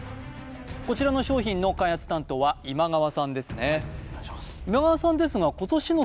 こちらの商品の開発担当は今川さんですねお願いします